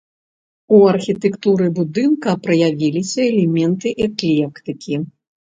У архітэктуры будынка праявіліся элементы эклектыкі.